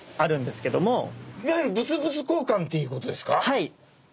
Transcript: はい。